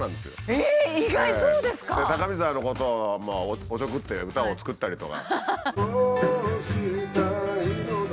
高見沢のことをおちょくって歌を作ったりとか。